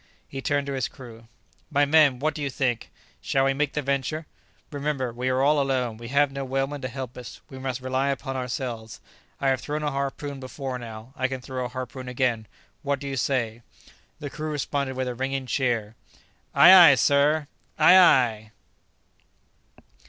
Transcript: He turned to his crew, "My men! what do you think? shall we make the venture? Remember, we are all alone; we have no whalemen to help us; we must rely upon ourselves; I have thrown a harpoon before now; I can throw a harpoon again; what do you say?" The crew responded with a ringing cheer, "Ay, ay, sir! Ay, ay!"